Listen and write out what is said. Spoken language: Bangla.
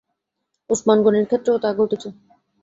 ওসমান গনির ক্ষেত্রেও তা ঘটেছে।